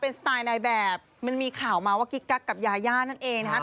เป็นสไตล์ในแบบมันมีข่าวมาว่ากิ๊กกักกับยาย่านั่นเองนะครับ